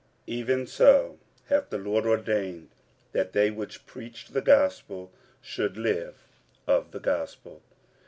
46:009:014 Even so hath the Lord ordained that they which preach the gospel should live of the gospel.